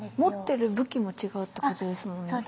持ってる武器も違うってことですもんね。